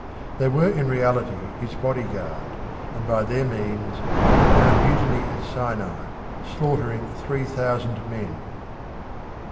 They were in reality his bodyguard, and by their means he put down a mutiny at Sinai, slaughtering three thousand men.